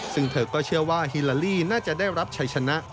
ซึ่งเธอก็เชื่อว่าฮิลาลีน่าจะได้รับชัยชนะ